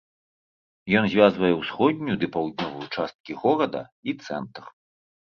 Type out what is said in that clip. Ён звязвае ўсходнюю ды паўднёвую часткі горада і цэнтр.